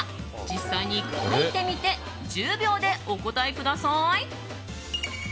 実際に書いてみて１０秒でお答えください。